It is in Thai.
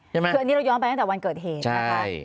คืออันนี้เราย้อนไปตั้งแต่วันเกิดเหตุนะคะ